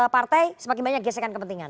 partai semakin banyak gesekan kepentingan